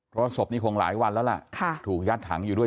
เพราะศพนี้คงหลายวันแล้วล่ะถูกยัดถังอยู่ด้วย